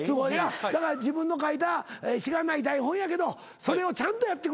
だから自分の書いたしがない台本やけどそれをちゃんとやってくれるわけやな。